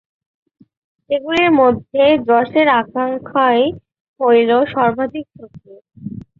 এগুলির মধ্যে যশের আকাঙ্ক্ষাই হইল সর্বাধিক শত্রু।